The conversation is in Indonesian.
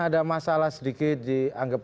ada masalah sedikit dianggap